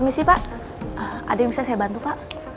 misi pak ada yang bisa saya bantu pak